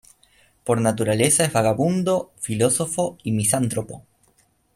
Por naturaleza es vagabundo, filósofo y misántropo.